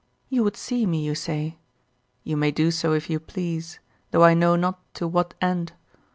You would see me, you say? You may do so if you please, though I know not to what end.